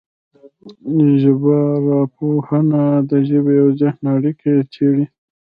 ژبارواپوهنه د ژبې او ذهن اړیکې څېړي